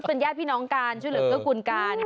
เป็นญาติพี่น้องการของชุดเหลืองก็คุณการ